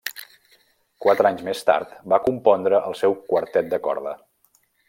Quatre anys més tard, va compondre el seu Quartet de corda.